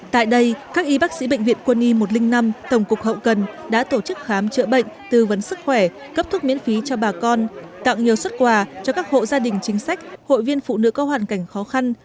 tại đây các y bác sĩ bệnh viện quân y một trăm linh năm tổng cục hậu cần đã tổ chức khám chữa bệnh tư vấn sức khỏe cấp thuốc miễn phí cho bà con tặng nhiều xuất quà cho các hộ gia đình chính sách hội viên phụ nữ có hoàn cảnh khó khăn